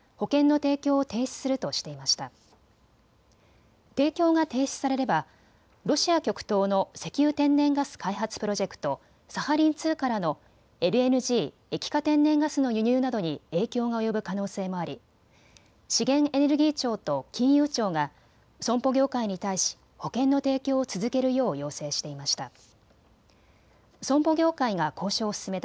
提供が停止されればロシア極東の石油・天然ガス開発プロジェクト、サハリン２からのＬＮＧ・液化天然ガスの輸入などに影響が及ぶ可能性もあり資源エネルギー庁と金融庁が損保業界に対し保険の提供を続けるよう要請していました。